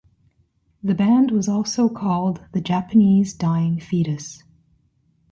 The band was also called the "Japanese Dying Fetus".